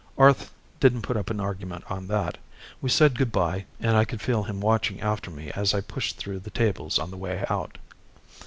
Arth didn't put up an argument on that. We said good by and I could feel him watching after me as I pushed through the tables on the way out.